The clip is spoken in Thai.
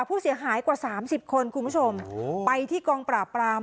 ผู้เสียหายกว่าสามสิบคนคุณผู้ชมไปที่กองปราบปราม